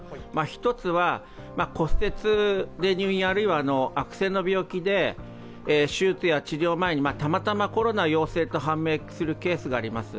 １つは骨折で入院、あるいは悪性の病気で手術や治療前にたまたまコロナ陽性と判明するケースがあります。